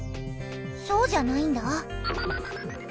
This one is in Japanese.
そうじゃないんだ。